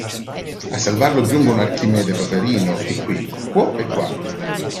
A salvarlo giungono Archimede, Paperino e Qui, Quo e Qua.